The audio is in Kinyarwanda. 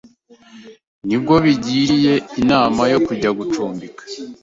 Ni bwo bigiriye inama yo kujya gucumbika